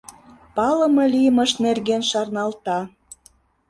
Палыме лиймышт нерген шарналта.